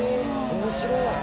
面白い。